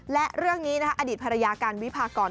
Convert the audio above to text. และเรื่องนี้อดีตภรรยาการวิพากร